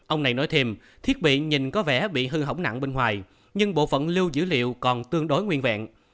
ông này nói thêm thiết bị nhìn có vẻ bị hư hỏng nặng bên ngoài nhưng bộ phận lưu dữ liệu còn tương đối nguyên vẹn